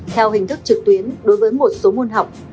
theo hình thức trực tuyến đối với một số môn học